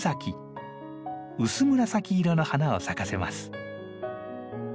薄紫色の花を咲かせます。